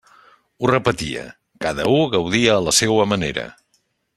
Ho repetia: cada u gaudia a la seua manera.